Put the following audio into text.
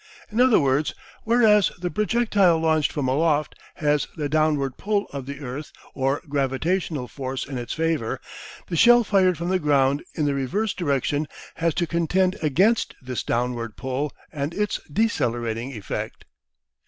In other words, whereas the projectile launched from aloft has the downward pull of the earth or gravitational force in its favour, the shell fired from the ground in the reverse direction has to contend against this downward pull and its decelerating effect.